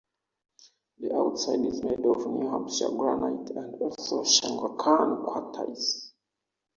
The outside is made of New Hampshire granite and also Shawangunk quartz.